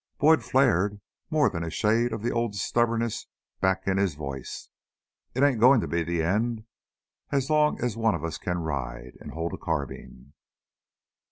Boyd flared, more than a shade of the old stubbornness back in his voice. "It ain't goin' to be the end as long as one of us can ride and hold a carbine!